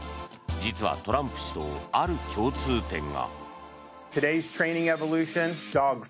実は、トランプ氏とある共通点が。